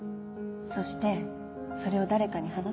そしてそれを誰かに話そう